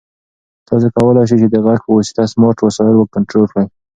تاسو کولای شئ چې د غږ په واسطه سمارټ وسایل کنټرول کړئ.